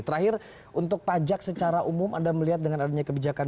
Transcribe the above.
terakhir untuk pajak secara umum anda melihat dengan adanya kebijakan